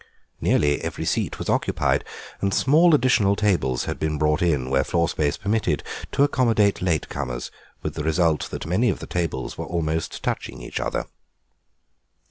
Nearly every seat was occupied, and small additional tables had been brought in, where floor space permitted, to accommodate latecomers, with the result that many of the tables were almost touching each other.